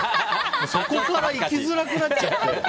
そこから行きづらくなっちゃって。